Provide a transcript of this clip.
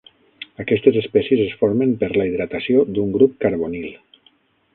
Aquestes espècies es formen per la hidratació d'un grup carbonil.